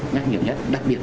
nhắc nhiều nhất đặc biệt